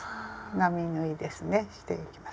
並縫いですねしていきます。